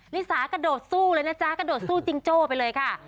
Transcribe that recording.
ลิสากระโดดสู้เลยนะจ๊ะกระโดดสู้จิงโจ้ไปเลยค่ะ